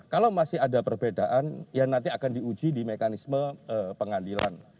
kalau masih ada perbedaan ya nanti akan diuji di mekanisme pengadilan